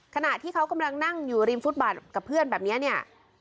ขณะที่เขากำลังนั่งอยู่ริมฟุตบาทกับเพื่อนแบบนี้เนี่ย